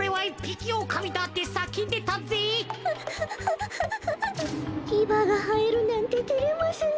きばがはえるなんててれますね。